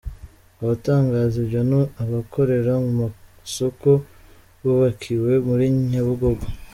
Abatangaza ibyo ni abakorera mu masoko bubakiwe muri Nyabugogo.